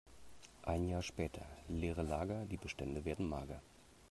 Ein Jahr später: Leere Lager, die Bestände werden mager.